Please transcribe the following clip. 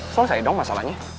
selesai dong masalahnya